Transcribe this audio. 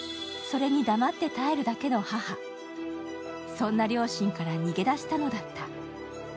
そんな両親から逃げ出したのだった。